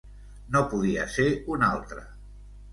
No podia ser un altre.